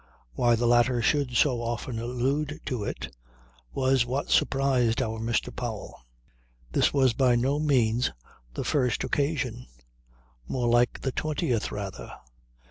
Why the latter should so often allude to it was what surprised our Mr. Powell. This was by no means the first occasion. More like the twentieth rather.